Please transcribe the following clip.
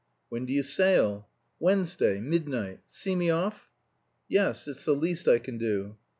"When do you sail?" "Wednesday midnight. See me off?" "Yes. It's the least I can do."